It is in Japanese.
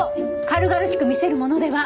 軽々しく見せるものでは。